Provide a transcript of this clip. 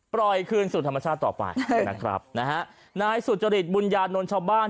ปล่อยคืนสู่ธรรมชาติต่อไปนะครับนะฮะนายสุจริตบุญญานนท์ชาวบ้าน